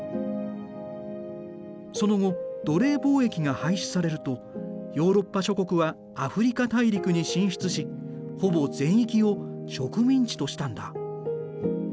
その後奴隷貿易が廃止されるとヨーロッパ諸国はアフリカ大陸に進出しほぼ全域を植民地としたんだ。